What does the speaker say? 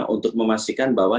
untuk memastikan bahwa